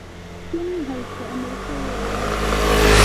by’ umwihariko amerika y’ epfo